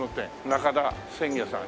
「仲田鮮魚」さん。